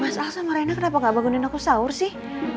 mas aku sama rena kenapa gak bangunin aku sahur sih